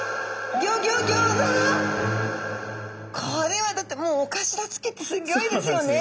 これはだってもうおかしらつきってすっギョいですよね。